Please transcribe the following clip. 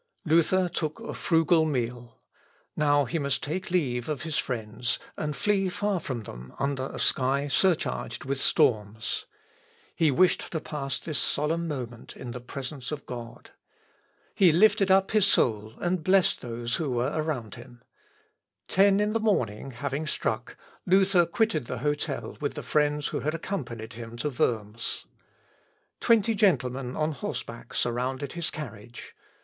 Luther took a frugal meal. Now he must take leave of his friends, and flee far from them under a sky surcharged with storms. He wished to pass this solemn moment in the presence of God. He lifted up his soul and blessed those who were around him. Ten in the morning having struck, Luther quitted the hotel with the friends who had accompanied him to Worms. Twenty gentlemen on horseback surrounded his carriage.